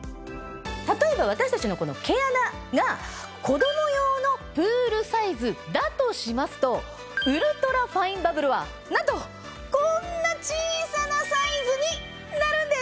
例えば私たちの毛穴が子ども用のプールサイズだとしますとウルトラファインバブルはなんとこんな小さなサイズになるんです！